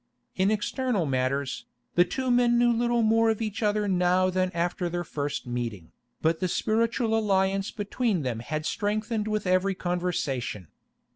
In external matters, the two men knew little more of each other now than after their first meeting, but the spiritual alliance between them had strengthened with every conversation.